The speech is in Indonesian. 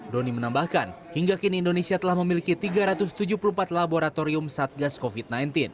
doni menambahkan hingga kini indonesia telah memiliki tiga ratus tujuh puluh empat laboratorium satgas covid sembilan belas